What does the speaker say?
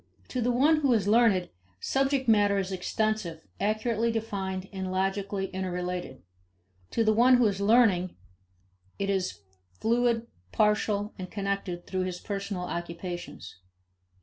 To the one who is learned, subject matter is extensive, accurately defined, and logically interrelated. To the one who is learning, it is fluid, partial, and connected through his personal occupations.